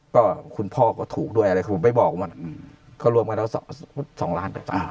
ก็คุณพ่อก็ถูกด้วยอะไรครับเราไปบอกวันคืออืมเขารวมมาเราสองล้านกว่า